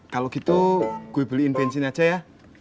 kalo gitu gue beliin benzin aja ya